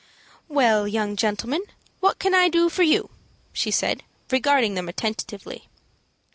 "Well, young gentleman, what can I do for you?" she said, regarding them attentively.